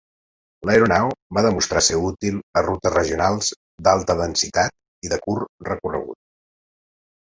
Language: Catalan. L"aeronau va demostrar ser útil a rutes regionals d""alta densitat" i de curt recorregut.